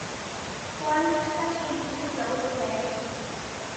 কোয়ালিস্টরা সেই ইচ্ছা জগতে দেয় নি।